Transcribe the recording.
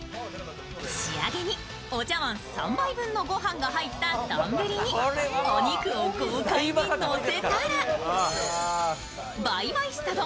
仕上げにお茶わん３杯分のご飯が入った丼に、お肉を豪快にのせたら倍倍すた丼